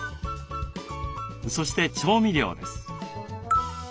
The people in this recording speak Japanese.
そして調味料です。